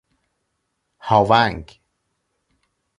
هاونگ